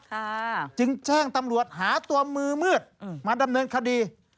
จึงแจ้งตำรวจหาตัวมือมืดอืมมาดำเนินคดี